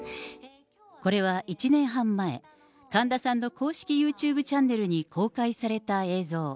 これは１年半前、神田さんの公式ユーチューブチャンネルに公開された映像。